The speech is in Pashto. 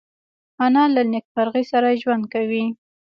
انا له نیکمرغۍ سره ژوند کوي